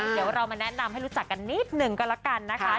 เดี๋ยวเรามาแนะนำให้รู้จักกันนิดหนึ่งก็แล้วกันนะคะ